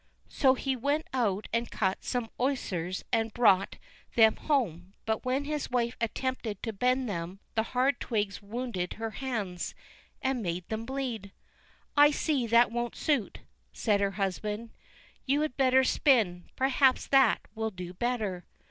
So he went out and cut some osiers and brought them home, but when his wife attempted to bend them the hard twigs wounded her hands and made them bleed. "I see that won't suit," said her husband; "you had better spin, perhaps that will do better."